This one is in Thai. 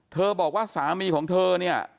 บอกว่าสามีของเธอเนี่ย